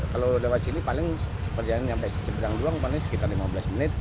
kalau lewat sini paling perjalanan sampai seberang doang paling sekitar lima belas menit